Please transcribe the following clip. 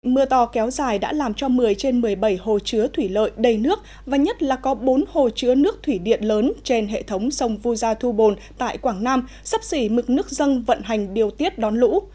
mưa to kéo dài đã làm cho một mươi trên một mươi bảy hồ chứa thủy lợi đầy nước và nhất là có bốn hồ chứa nước thủy điện lớn trên hệ thống sông vu gia thu bồn tại quảng nam sắp xỉ mực nước dân vận hành điều tiết đón lũ